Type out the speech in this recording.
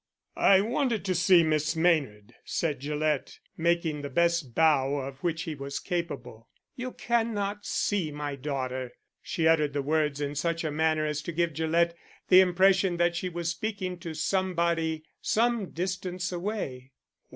"I wanted to see Miss Maynard," said Gillett, making the best bow of which he was capable. "You cannot see my daughter." She uttered the words in such a manner as to give Gillett the impression that she was speaking to somebody some distance away.